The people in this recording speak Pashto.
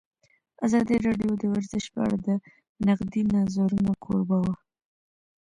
ازادي راډیو د ورزش په اړه د نقدي نظرونو کوربه وه.